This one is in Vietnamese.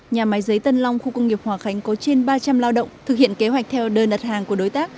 nhà máy giấy tân long khu công nghiệp hòa khánh có trên ba trăm linh lao động thực hiện kế hoạch theo đơn đặt hàng của đối tác